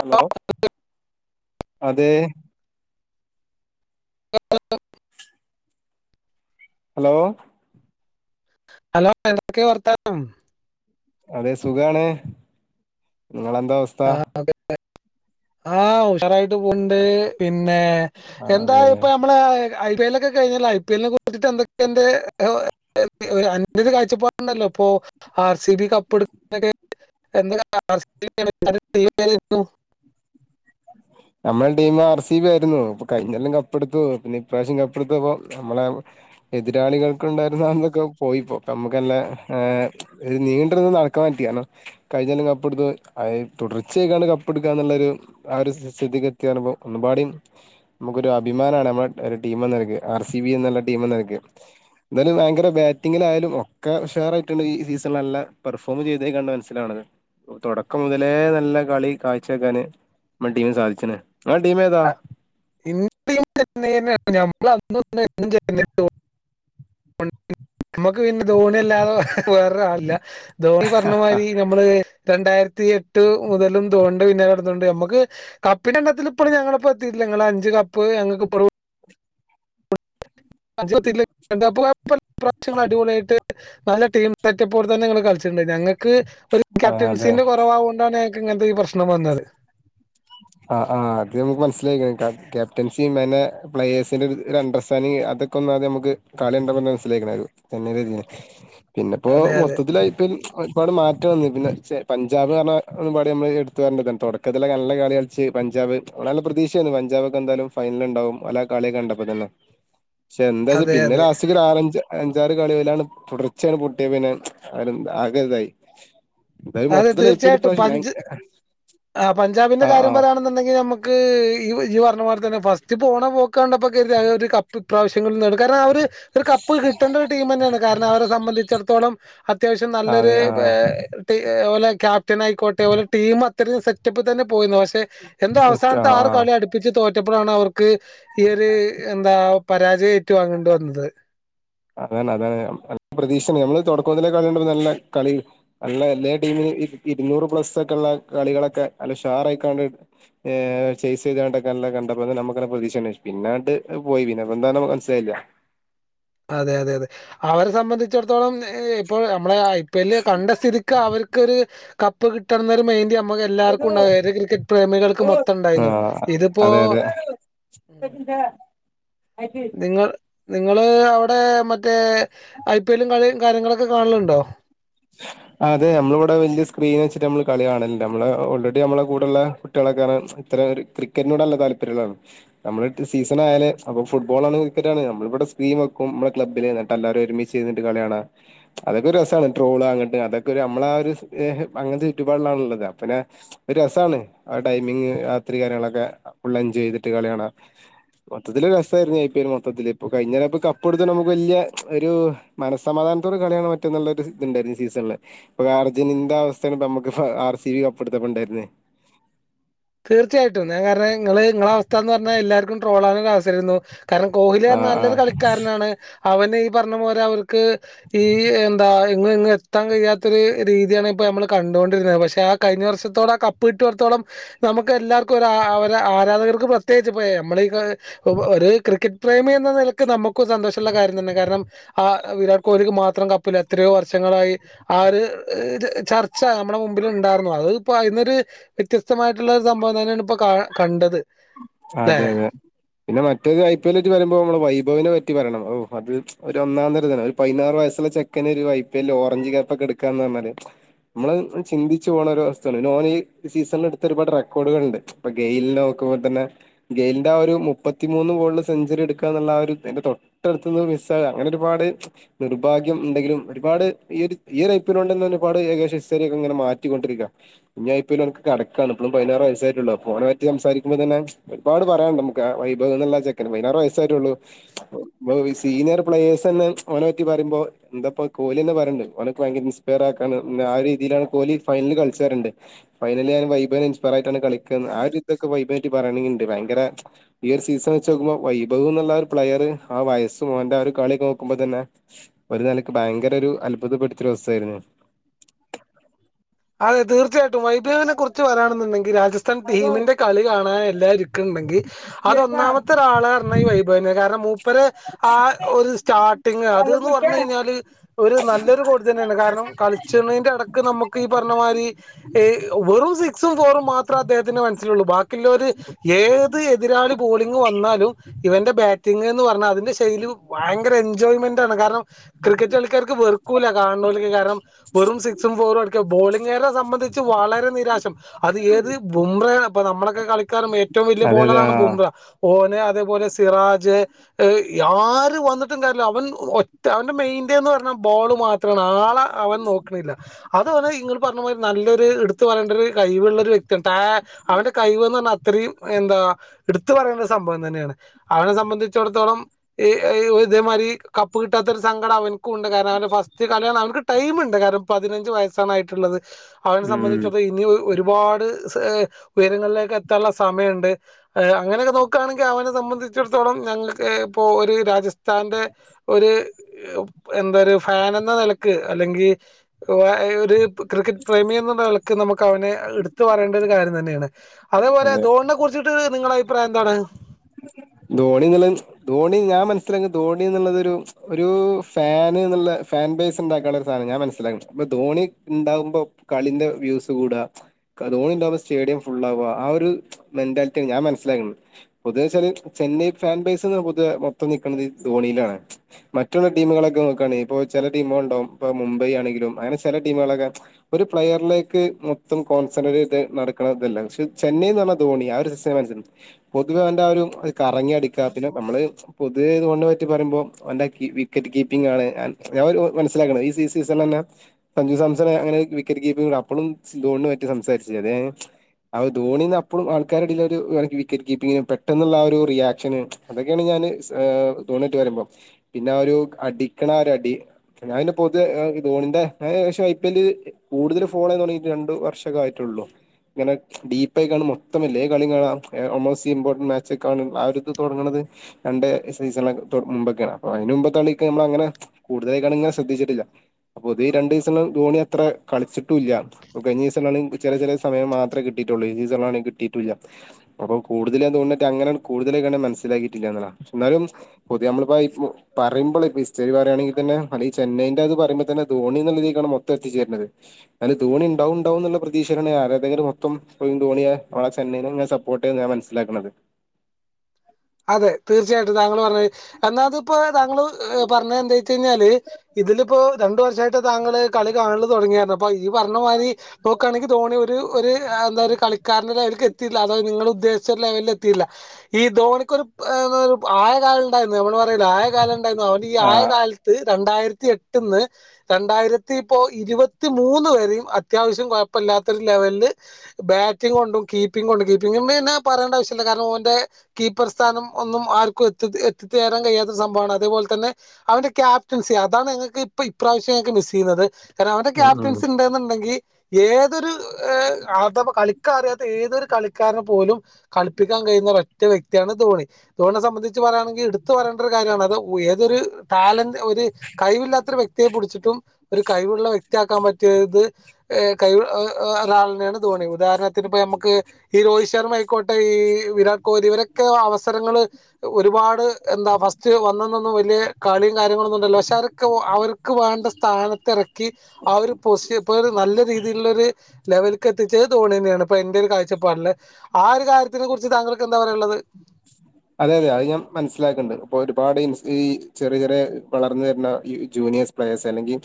Hello അതെ hello hello എന്തൊക്കെയാ വർത്താനം അതെ സുഖാണ് നിങ്ങളെന്താവസ്ഥ ആഹ് ഉഷറായിട്ട് പോൺണ്ട് പി പിന്നെ എന്താ അതെ ഇപ്പ നമ്മളെ ഐ പി എല്ലൊക്കെ കഴിഞ്ഞല്ലോ ഐ പി എല്ലിനെ കുറിച്ചിട്ട് എന്തൊക്കെ എന്റെ ഏഹ് ഒരന്യത് കാഴ്ചപ്പാടുണ്ടല്ലോ ഇപ്പോ ആർ സി ബി കപ്പ് എടുക്ക [unintelligible] എന്തൊ ബ [unintelligible] നമ്മുടെ ടീമ് ആർ സി ബി ആയിരുന്നു ഇപ്പൊ കഴിഞ്ഞൊല്ലം കപ്പെടുത്തു പിന്നെ ഇപ്രാവശ്യം കപ്പെടുത്തപ്പോ നമ്മളെ എതിരാളികൾക്കുണ്ടായിരുന്ന അന്തൊക്കെയൊ പോയിപ്പോ നമ്മുക്കന്നെ ഏഹ് ഒരു നീണ്ടിരുന്നത് നടക്കാൻ പറ്റി കാരണം കഴിഞ്ഞൊല്ലം കപ്പെടുത്തു അയ് തുടർച്ചയായിക്കാണ്ട് കപ്പെടുക്കാന്നുള്ളൊരു ആ ഒരു സ്ഥിതിക്ക് [unintelligible] നമുക്കൊരു അഭിമാനാണ് നമ്മടെ ഒരു ടീമെന്ന നിലക്ക് ആർ സി ബി എന്നുള്ള ടീമെന്ന നിലക്ക് എന്തായാലും ഭയങ്കര ബാറ്റിങ്ങിലായാലും ഒക്കെ ഉഷാറായിട്ടാണ് ഈ സീസൺ നല്ല പെർഫോം ചെയ്തേ കണ്ട മനസ്സിലാവണത് തുടക്കം മുതലേ നല്ല കളി കാഴ്ച വെക്കാന് മ ടീമന് സാധിച്ച്ന് ങ്ങളെ ടീമേതാ [unintelligible] നമ്മക്ക് പിന്നെ ധോണില്ലാതെ വേറൊരാളില്ല ധോണി പറഞ്ഞ ആഹ് മാതിരി മ്മള് രണ്ടായിരത്തി ത്തിയെട്ട് മുതലും ദോണ്ട് പിന്നെങ്ങടന്നോണ്ട് നമ്മക്ക് കപ്പിന്റെ എണ്ണത്തില് ഇപ്പഴും ഞങ്ങടൊപ്പോത്തിട്ടില്ല ങ്ങളെ അഞ്ച് ക ഇപ്പോ ഞങ്ങക്ക് പറോ [unintelligible] വർഷങ്ങള് അടിപൊളിയായിട്ട് നല്ല ടീം സെറ്റപ്പോടെ തന്നെ നിങ്ങള് കളിച്ചിട്ടുണ്ട് ഞങ്ങ ക്ക് ഒരു ആഹ് അതെ ക്യാപ്റ്റൻസീന്റെ കുറവാകൊണ്ടന്നെ ക്ക് ഇങ്ങനത്തെ ഈ പ്രശ്നം വന്നത് ആ ആ അത് നമുക്ക് മനസ്സിലായിക്കണ് ക്യാപ്റ്റൻസി മന്നെ പ്ലെയേഴ്സിന്റെ ഒരു അണ്ടർസ്റ്റാൻഡിങ് അതൊക്കെ ഒന്നാദ്യം നമുക്ക് കളി കണ്ടപ്പോ മനസിലായീക്കണത് ഒരു ചെന്നൈ രീതി പിന്നെപ്പോ അതെ അതെ. മൊത്തത്തിലായിപ്പ ഒരുപാട് മാറ്റം വന്ന് പിന്നെ പഞ്ചാബ്ന്ന് പറഞ്ഞ ഒരുപാട് മ്മള് എടുത്തു പറഞ്ഞി തുടക്കത്തിലെ ക നല്ല കളിക ച്ച് പഞ്ചാബ് അവടെ നല്ല പ്രതീക്ഷയാന്ന് പഞ്ചാബൊക്കെ എന്താലും ഫൈനലിണ്ടാവും അല കളിയൊക്കെ കണ്ടപ്പത്തന്നെ ക്ഷെ എന്താ വച്ചാ അതെ പിന്നെ അതെ. ലാസ്റ്റ്ക്ക് ഒരു ആറഞ്ച് അഞ്ചാറ് കളിയിലാണ് തുടർച്ചയാണ് പൊട്ടിയ പിന്നെ അവരെ ആകെതായി അതെ തീർച്ചയായിട്ടും പഞ്ച് ആ പഞ്ചാബിന്റെ കാര്യം പറ ആഹ് കാണുന്നുണ്ടെങ്കി നമ്മക്ക് ഈ ജി പറഞ്ഞ പോലത്തന്നെ ഫസ്റ്റ് പോണ പോക്കണ്ടപ്പോൾ കരുതി അവര് കപ്പ് ഇപ്രാവശ്യങ്ങളിൽ നേടും കാരണം അവര് ഒരു കപ്പ് കിട്ടേണ്ട ഒരു ടീം തന്നെയാണ് കാരണം അവരെ സംബന്ധിച്ചിടത്തോളം അത്യാവശ്യം അതെ നല്ലൊരു ആഹ് അതുപോലെ ക്യാപ്റ്റനായിക്കോട്ടെ ഓലെ ടീം അത്രയും സെറ്റപ്പ് തന്നെ പോയിരുന്നു പക്ഷേ എന്തോ സെറ്റ് അവസാനത്തെ ആഹ് ആറ് ആഹ് കളി അടുപ്പിച്ച് തോറ്റ തോറ്റപ്പോഴാണ് അവർക്ക് ഈ ഒരു എന്താ പരാജയ ഏറ്റുവാങ്ങേണ്ടി വന്നത് അതാണ് അതാണ് പ്രതീക്ഷണ്ട് നമ്മള് തുടക്കം മുതലേ കളി കണ്ടോണ്ടിരുന്ന നല്ല കളി നല്ല എല്ലാ ടീമിന് ഇരുന്നൂറ് പ്ലസ്സൊക്കെയൊള്ള കളികളൊക്കെ നല്ല ഷാർ ആയിക്കാണ്ട് ഏഹ് ചെയ്സ് ചെയ്തൊണ്ടൊക്കെ നല്ല കണ്ടപ്പോ നമ്മുക്കന്നെ പ്രതീക്ഷണ്ട് പിന്നാണ്ട് പോയി പിന്നെപ്പ എന്താന്ന് മനസ്സിലായില്ല അതെ അതെ അതെ അവരെ സംബന്ധിച്ചിടത്തോളം ഏഹ് ഇപ്പോ നമ്മളെ ഐ പി എല്ല് കണ്ട സ്ഥിതിക്ക് അവർക്കൊരു കപ്പ് കിട്ടണംന്നൊരു മൈന്റ് ഞ നമുക്കെല്ലാവർക്കും ഉണ്ടാകും ഏത് ക്രിക്കറ്റ് പ്രേമികൾക്ക് മൊത്തം ഇ ണ്ടായിരുന്നു ആഹ് ഇതിപ്പോ അതെ അതെ ഉം നിങ്ങൾ നിങ്ങള് അവിടെ മറ്റേ ഐ പി എല്ലും കളിയും കാര്യങ്ങളൊക്കെ കാണലുണ്ടോ അതെ നമ്മളിവിടെ വലിയ സ്ക്രീൻ വെച്ചിട്ട് നമ്മള് കളി കാണല്ലേ നമ്മള് ഓൾറെഡി നമ്മുടെ കൂടെള്ള കുട്ടികളെക്കെ ഇത്തരം ഒരു ക്രിക്കറ്റിനോട് നല്ല താല്പര്യുള്ളാണ് നമ്മള് സീസൺ ആയല് അപ്പൊ ഫുട്ബോൾ ആാണ് ക്രിക്കറ്റ് ആാണ് നമ്മളിവിടെ സ്ക്രീൻ വെക്കും നമ്മുടെ ക്ലബില് എന്നിട്ട് എല്ലാവരും ഒരുമിച്ച് ചെയ്തിട്ട് കളി കാണ അതൊക്കെ ഒരു രസമാണ് ട്രോള് അങ്ങോട്ടും അതൊക്കെ നമ്മള ആ ഒരു അങ്ങനത്തെ ചുറ്റുപാടിലാാണ്ള്ളത് അ പിന്നെ ഒരു രസമാണ് ആ ടൈമിംഗ രാത്രി കാര്യങ്ങളൊക്കെ ഫള് എഞ്ജോയ് ചെയ്തിട്ട് കളിയ കാാണ് മൊത്തത്തിൽ രസമായിരുന്നു അയിും മൊത്തത്തിൽ ഇപ്പോൊ കഴിഞ്ഞര ഇപ്പ കപ്പ് എടുത്ത് നമുക്ക് വലിയ ഒരു മനസ്സമാധാനത്തോട് കളിയാണ് മറ്റുള്ളരു ണ്ട സീസണില്പ്പൊ അർജുന്റെ അവസ്ഥമ്മ ആർ സി വി കപ്പ എടുത്തപ്പ ഉണ്ടായിരുന്ന തീർച്ചയായിട്ടും ഞ കാരണം നിങ്ങള് നിങ്ങളെ അവസ്ഥ എന്ന് പറഞ്ഞാൽ എല്ലാവർുംട്രോൾ ആാനൊ അവസരമായിരുന്നു കാരണം കോഹ്ലി ആഹ് നല്ലൊരു ആഹ് കളിക്കാരനാണ് അവന് പറഞ്പോോലെ അവ ഈ എന്താ [unintelligible] ഇങ് ഇങ്ങ് എത്താൻ കഴിയാത്ത ഒരു രീതിയാണ് ഇപ്പൊ നമ്മള് കണ്ടുകൊണ്ടിരുന്നത് പക്ഷെ ആ കഴിഞ്ഞ വർഷത്തോടെ ആ കപ്പ് കിട്ടിയി ത്തോളം നമുക്ക് എല്ലാവർക്കും ഒ ആരാധകർക്ക് പ്രത്യേകിച്ച്പ്പോ നമ്മളഈ ഒരു ക്രിക്കറ്റ് പ്രേമി എന്ന നിലക്ക് നമുക്ക് സന്തോഷമുള്ള കാര്യം തന്നെ കാരണം ആ വിരാട് കോഹ്ലിക്ക് മാത്രം കപ്പിൽ എത്രയോ വർഷങ്ങളായി ആ ഒരു ചർച്ച നമ്മുടെ മുമ്പിൽ ഉണ്ടായിരുന്നു അത് ഇപ്പോ അതിനൊരു വ്യത്യസ്തമായിട്ട് വേദിയസ്ഥസംഭവം തന്നെയാണ് ഇപ്പൊ കണ്ടത് ല്ലെ? അതെ അതെ പിന്നെ മറ്റേത് ഐ പി എല്ലറ്റി വരുമ്പോൾ നമ്മള് വൈഭവവിനെ പറ്റി പറ യ ണം ഓഹ അത് ഒരു ഒന്നാംതര തന്നെ ഒരു പതിനാറ് വയസ്സുള്ള ചെക്കന് ഒരു I P L orange cup ഒക്കെ എടുക്കാന്ന് പറഞ്ഞാല് നമ്മള് ചിന്തിു പോകണ ഒരു അവസ്ഥാണ് നോൺഈ സീസണില എടുത്ത ഒരുപാട് റെക്കോർഡുകൾുണ്ട് ഇപ്പൊ ഗെയില നോക്കുമ്പോൾ തന്നെ ഗെയിലിന്റെ ആ ഒരു മുപ്പത്തി മൂന്ന് ബോളിൽ സെഞ്ചുറി എടുക്കുക എന്നുള്ള ഒരു എന്റെറെ തൊട്ടടുത്തു നിന്ന് മിസ് ആുക അങ്ങനെ ഒരുപാട് നിർഭാഗ്യം എന്തെിലും ഒരുപാട് ഈ ഈ ഐ പി എൽ ഉണ്ട ഒരുപാട് ഏകദേശിസക്കെ ഇങ്ങെ മാറ്റിക്കൊണ്ടിരിക്കുക ഇനി ഐ പിൽ എക്ക് കടക്കാണ് ഇപ്പോഴും പതിനാറ് വയസ്സായിട്ട ഉള്ള അനെറ്റി സംസാരിക്കുമ്പോ തന്നെ ഒരുപാട് പറയാനുണ്ട് നമുക്ക് വൈഭവം എന്നല്ലാ ചെക്കൻ പതിനാറ് വയസ്സായിട്ട ഉള്ളു സീനിയർ പ്ലെയേഴ്സ്ന്നെ അവനെ പറ്റ പറയ്പോ എന്തപ്പോ കോ്ലി തന്നന്ന് പറയണ്ട്ഓക്ക് ഭയങ്കര ഇൻസ്പയർ ആക്കാണ് ആ രീതിയിലാണ് കോഹലി ഫൈനല കളിച്ചാുണ്ട് ഫൈനല ഞാൻ വൈഭവവിെ ഇൻ്പയർ ആയിട്ടാണ് കളിക്ക ആ ഒരു ഇതിൊക്കെ വൈഭവ പറ്റി പറയണെങ്കിൽ ഭയങ്കര ഈ ഒരു സീസൺ വെച്ച് നോക്കുമ്പോ വൈഭവം എന്നുള്ള ഒരു പ്ലെയർ ആ വയസ്സുംോന്റെ ഒരു കളിൊെ നോക്കുമ്പോ തന്നെ ഒരു നിലക്ക് ഭയങ്കര ഒരു അത്ഭുതപ്പെടുത്തി ഒരു അവസ്ഥായിരുന്നു അതെ തീർച്ചയായിട്ടും വൈഭവവിനെ കുറിച്ച് പറയണുണ്ടെങ്കിൽ രാജ രാജസ്ഥാൻ ടീമിന്റെ കളി കാണാൻ എല്ലാവും ഇരിക്കുന്നുണ്ടെങ്കിൽ അതൊന്നാമത്തെ ഒരാള പറഞ്ഞ ഈ വൈഭവ ത കാരണം മൂപ്പര ആ ഒരു സ്റ്റാർട്ടിങ് അത്ന്ന് പറഞ്ഞു കഴിഞ്ഞാല് ഒരു നല്ലൊരു കോടി തന്നെയാണ് കാരണം കളിച്ചണതിന്റെ അടക്ക് നമുക്ക് ഈ പറഞ്ഞ മാതിരി വെറും ക് ഫോറും മാത്രം അദ്ദേഹത്തിന്റെ മനസ്സിലുള്ളൂ ബാക്കിയുള്ള ഒരു ഏത് എതിരാളി ബോളിംഗ് വന്നാലും ഇവന്റെ ബാറ്റിംഗ് എന്ന് പറഞ്ഞാൽ അതിന്റെ ചെയതു ഭയങ്കര എൻജോയ്മെന്റ് കാരണം ക്രിക്കറ്റ് കളിക്കാർക്ക് വെറുക്കൂില്ല കാണല കാരണം വെറും സിക്സും ഫോറും ബോലിങ് സംബന്ധ വളരെ നിരാശം അത് ഏത് ബുംയാണ് നമ്മളൊക്കെ കളിക്കറും ഏറ്റവും വലിയ അതെ അതെ ആ ബോളറണ് ബും അതേപോലെ സിറാജ് ആര് വന്നിട്ടും ക അവൻ ഒ അവന്റെ മെന്ന്ന് പറഞ്ഞ ബോള് മാത്രമാണ് ആളെ അവൻ നോക്കണില്ല അത അവനെ ഇങ്ങൾ പറഞ്ഞെ നല്ലൊരു എടുത്തു പറയേണ്ട ഒരു കഴിവ്ള്ള ഒരു വ്യക്തിയാണ് അവന്റെ കഴിവ്ന്ന് പറഞ്ഞാൽ അത്രയും എന്താ എടുത്തു പറയേണ്ട ഒരു സംഭവം തന്നെയാണ് അവനെ സംബന്ധിച്ചിടത്തോളം ഇതേമാതിരി കപ്പ് കിട്ടാത്തൊരു സങ്കടം അവനക്കും ഉണ്ട് കാരണം അവന്റെ ഫസ്റ്റ് കല അവക്ക് ടൈം ഉണ്ട് കാരണം പതിനഞ്ച് അഞ് വയസ്സാണ് ആയിട്ടുള്ളത് അെ ഉം സംബന്ധിച്ചിടത്ത ഇനി ഒരു ഒരുപാട് ഉയരങ്ങളിലേക്ക് എത്താനുള്ള സമയമുണ്ട് അ അങ്ങനെയൊക്കെ നോക്കുകയാണെങ്കിൽ അവനെ സംബന്ധിച്ചിടത്തോളം ഞങ്ങൾക്ക് ഇപ്പോ ഒരു രാജസ്ഥാന്റെ ഒരു എന്താ ഒരു ഫാൻ എന്ന നിലക്ക് അല്ലെങ്കിൽ ഒരു ക്രിക്കറ്റ് പ്രേമി എന്നുള്ള വിളക്ക് നമുക്ക് അവനെ എടുത്ത പറയേണ്ട ഒരു കാര്യം തന്നെയാണ് അതേപോലെ അതെ ോണിനെ കുറിച്ചിട്ട് നിങ്ങള അഭിപ്രായം എന്താണ് ധോണിുള്ള ധോണി ഞാൻ മനസ്സിലാക്കുന്നു ധോണി എന്നുള്ളത്രു ഒരു ഫാന് എന്നുള്ള ഫാൻ ബേസ് ഉണ്ടാക്കുള്ള സാധനം ഞാൻ മനസ്സിലാക്കണം അപ്പൊ ധോണി ഉണ്ടാകുമ്പോ കളിന്റെ വ്യൂസ് കൂടുക ധോണി ഉണ്ടാവകുമ്പോ സ്റ്റേഡിയം ഫുൾ ആാവുക ആ ഒരു മെന്റാലിറ്റിാണ് ഞാൻ മനസ്സിലകുന്നത് പൊതുവെ ച ചെന്നൈ ഫാൻ ബൈസ് പൊതുവ മൊത്തം നൽക്കണുന്നത് ധോണിയിലാണ് മറ്റുള്ള ടീമുകളൊക്കെ നോക്കുകയാണെങ്ക ഇപ്പോ ചില ടീമുകളണ്ടാവും ഇപ്പൊ മുംബൈ ആണെങ്കിലും അങ്ങനെ ചില ടീമുകളൊക്കെ ഒരു പ്ലെയറിലേക്ക് മൊത്തം കോൺസെൻട്രേറ്റ് ചെയ്ത് നടക്കണതല്ല പക്ഷെ ചെന്നൈ എന്ന് പറഞ്ഞ ധോണി ആ ഒരു സി മന പൊതുവെ അവന്റെ ഒരു കറങ്ങി അടിക്കുക പിന്നെ നമ്മള് പൊതുവേ ധോണിനെ പറ്റി പറയുമ്പോൾ ഓന്റെ വിക്കറ്റ് കീപ്പിംഗാണ് അതൊരു മനസ്സിലാക്കണം ഈ സീസണ് തന്നെ സഞ്ജു സാംസൺനെ എങ്ങനെ വിക്കറ്റ് കീപ്പിംഗ് അപ്പോഴും ധോണിനെ പറ്റി സംസാരിച്ചത് അ ധോണിന്ന് അപ്പഴും ആൾക്കാരെടേല് കീപ്പിങ്ങിനും പെട്ടെന്നുള്ള ആ ഒരു റിയാക്ഷന് അതൊക്കെയാണ് ഞാന് ധോണിയായിട്ട് വരുമ്പോൾ പിന്നെ ആ ഒരു അടിക്ക്ണ ആ ഒരു അടി അതിന്റെ പൊതുവേ ധോണിന്റെ ഏകദേശം ഐ പി എല് കൂടുതൽ ഫോളോയ്ത് തൊടങ്ങിട്ട് രണ്ടു വർഷകമായിട്ടുള്ളൂ ഇങ്ങനെ ഡീപ്പായി കാണും മൊത്തം എല്ലാ കളിയും കാണാ ഓൾമോസ്റ്റ് ഇമ്പോർട്ടൻ്റ് മാച്ചൊക്കെ ആ ഒരിത് തൊടങ്ങ്ന്നത് രണ്ട് സീസണ മുമ്പൊക്കെയാണ് അപ്പൊ അതിന് മുമ്പത്തെ കളിക്ക് നമ്മൾ അങ്ങനെ കൂടുതലായികാട്ടങ്ങനെ ശ്രദ്ധിച്ചിട്ടില്ല അപ്പൊ ഇത് ഈ രണ്ട് സീസണില ധോണി അത്ര കളിച്ചിട്ടും ഇല്ല കഴിഞ്ഞ സീസണിലണെങ്കിൽ ചില ചില സയ മാമേ കിട്ടിട്ടുള്ളൂ ഈ സീസണിലാണെങ്കും കിട്ടീട്ടുല്ല അപ്പം കൂടുതലാ ധോണിയിട്ട്ങ്ങനെയ കടുതലായിട്ട് മനസ്സിലാക്കിയിട്ടില്ല എന്നുള്ള എന്നാലും പൊതുവെ നമ്മളിപ്പോ പറയുമ്പോ ഇ ഹസ്റ്ററി പറയയാണെങ്കിൽ തന്നെ അെ ഈ ചെന്നൈൻന്റെത് പറയ്മ്പം തന്നെധോണിള്ള തിക്കാണ് മൊത്തം എത്തിച്ചേര്ന്നത് എന്നാലുംധോണിണ്ടാവുംണ്ടാവും എന്നുള്ള പ്രതീക്ഷയിലാണ് ആരാധകരെ മൊത്തം ധോണിയളെ ചെന്നൈനെങ്ങന സപ്പോർട്ട് ചെയ്ണ മനസ്സിലാക്ക്ണത് അതെ തീർച്ചയായിട്ടും താങ്കൾ പറഞ്ഞ എന്നാതി ഇപ്പോ താങ്കൾ പറഞ്ഞ എന്താ വെച്ച കഴിഞ്ഞാല് ഇതിലിപ്പോ രണ്ടു വർഷമായിട്ട് താങ്കള് കളി കാണല് തുടങ്ങിയായിരുന്നു അപ്പൊ ഈ പറഞമാതിരി നോക്കാണെങ്കിൽ ധോണി ഒരു എന്താ ഒരു കളിക്കാരന്റെ ലെവലക്ക് എത്തിയില്ല അതത് നിങ്ങൾ ഉദ്ദേശിച്ച ലെവലിൽ എത്തില്ല ഈ ധോണി ഒരു ആയകാലം ഉണ്ടായിരുന്നു നമ്മള് പറല്ല ആയകാലം ഇ അവ ഈ ആയ ആഹ് കാലത്ത് ര രണ്ടായിരത്തി എട്ട്ന്ന് രണ്ടായിരത്തി ഇപ്പോ ഇരുപത്തിമൂന്ന് വരെയും അത്യാവശ്യം കുഴപ്പില്ലാത്ത ഒരു ലെവലില് ബാറ്റിംഗ് കൊണ്ടും കീപ്പിംഗ് കൊണ്ടും കീപ്പിംഗ് ന്നെ പറയേണ്ട ആവശ്യല്ല കാരണം ഓന്റെ പ്രസ്ഥാനം ഒന്നും ആർക്കും എത്തി എത്തിത്ത തേരാൻ കഴിയാത്ത സംഭവമാണ് അതേപോലെ തന്നെ അവന്റെ ക്യാപ്റ്റൻസി അതാണ് ഞങ്ങൾക്ക് ഇപ്പ ഇപ്രാവശ്യം ഞങ്ങക്ക് മിസ് ചെയ്യുന്നത് കാര അവന്റെ ക്യാപ്റ്റൻസി ഉണ്ടന്നുണ്ടെങ്കിൽ ഏതൊരു അഥവാ കളിക്കറിയാത്ത ഏതൊരു കളിക്കാരനെ പോലും കളിപ്പിക്കാൻ കഴിയുന്ന ഒരൊറ്റ വ്യക്തി യാണ്ധോണി ധോണെ സംബന്ധിച്ച് പറയയാണെങ്കിൽ എടുത്തു പറയേണ്ട ഒരു കാര്യമാണ് അത് ഏതൊരു ടാലന്റ് ഒരു കഴിവില്ലാത്ത ഒരു വ്യക്തിയെ പിടിച്ചിട്ടും ഒരു കഴിവുള്ള വ്യക് യാക്കാൻ പറ്റിയത് കൈ ഒരാൾ യാണ് ധോണി ഉദാഹണത്തിന് ഇ നമ്മ ഈ രോഹിത് ശർമ്മ ആയിക്കോട്ടെ ഈ വിരാട് കോഹ്ലി ഇവരൊ ക്കെ അവസരങ്ങള് ഒരുപാട് എന്താ ഫസ്റ്റ് വന്നെന്നൊന്നും വലിയ കളിയും കാര്യങ്ങളൊന്നും ഉണ്ടല്ലോ പക്ഷെ അതൊക്കെ അവർക്ക് വേണ്ട സ്ഥാനത്തി ഇറക്കി ആ ഒരു പൊസിഷ ഇപ്പൊ നല്ല രീതിയിൽക്ക്ള്ള ഒരു ലെവൽക്ക് എത്തിച്ചത് ധോണി തന്നെയാണ് ഇപ്പൊ എന്റെ ഒരു കാഴ്ചപ്പാടില് ആ ഒരു കാര്യത്തിനെ കുറിച്ച് താങ്കൾക്ക് എന്താ പറയുള്ളത് അതെ അതെ അത് ഞാൻ മനസ്സിലാക്ക്ണ്ട് ഇപ്പൊ ഒരുപാട് ഈ ചെറിയ ചെറിയ വളർന്നു വരുന്ന ഈ ജൂനിയഴ്സ് പ്ലേഴ്സ് അല്ലെങ്കിൽ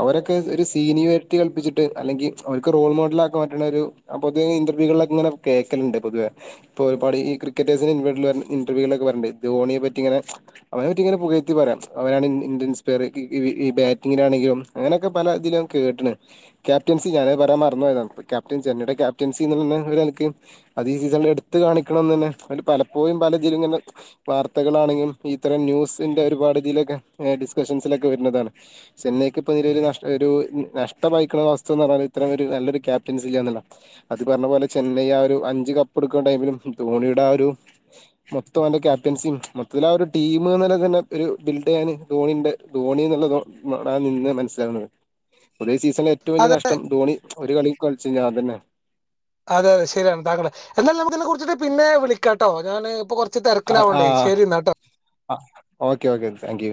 അവരൊക്കെ ഒരു സീനിയോരിറ്റി കൽപ്പിച്ചിട്ട് അല്ലെങ്കിൽ അവർക്ക് റോൾ മോഡൽ ആക്കാൻ പറ്റുന്ന ഒരു പൊതുവേ ഇന്റർവ്യൂുകളിലൊക്കെ ഇങ്ങെ കേൾക്കലുണ്ട് പൊതുവേ ഇപ്പൊ ഒരുപാട് ഈ ക്രിക്കറ്റേഴ്സിന് ഇൻവോ ഇന്റർവ്യൂകളെക്കെ പറയ്ണ്ട് ധോണിയെ പറ്റിങ്ങനെ അവനെ പറ്റി ഇങ്ങനെ പുകയ്ത്തി പറയാ അവനാണ് ഇന്ത്യൻസ് ഇൻസ്പെയർ ഈ ബാറ്റിങ്ങിനാണെങ്കിലും അങ്ങനെയൊക്കെ പല ഇതിലും കേട്ട്ണ് ക്യാപ്റ്റൻസി ഞാന് പറയാൻ മറന്ന് പോയതാണ് ക്യാപ്റ്റൻ ചെന്നൈടെ ക്യാപ്റ്റൻസിന്ന് പറക്ക് അത് ഈ സീസണിൽ എടുത്ത കാണിക്കണംന്ന് തന്നെല പോയിപല ഇതിലും ഇങ്ങനെ വാർത്തകളാണെങ്കിലും ഇത്തരം ന്യൂസിന്റെ ഒരുപാട് ഇതിലൊക്കെ ഡിസ്കഷൻസിലൊക്കെ വരുന്നതാണ് ചെന്നൈക്ക് ഇപ്പോ ഇ ഒരുഷ ഒരു നഷ്ടംമായിയിക്ക്ണ വസ്തു എന്ന് പറഞ്ഞൽ ഇത്തരം ഒരു നല്ലൊരു ക്യാപ്റ്റൻസി ഇല്ല എന്നുള്ള അത് പറഞ്ഞ പോലെ ചെന്നൈ ആ ഒരു അഞ്ചു കപ്പ് എടുക്കുന്ന ടൈമിലും ധോണിയുടെ ആ ഒരു മൊത്തം എന്റെ ക്യാപ്റ്റൻസിയും മൊത്തത്തിലൽ ആ ഒരു ടീം തന്നെ ഒരു ബിൽഡ് ചെയ്യാന് ധോണിന്റെ ധോണി എന്നുള്ള നിന്ന് മനസ്സിലാവുന്നത്തേ ഒരേ സീസ ഏറ്റവും വലിയ അതെ നഷ്ടം ധോണി ഒരു കളി കളിച്ചു ഞാൻ തന്നെ അതെ അതെ ശരിയാണ് താങ്കള് എന്നാൽ നമുക്ക് ഇതിനെ കുറിച്ചിട്ട് പിന്നെ വിളിക്കാംട്ടോ ഞാന് ഇപ്പൊ കൊറ ആ ആ ആ ഓക്കെ ഓക്കെ താങ്ക് യൂ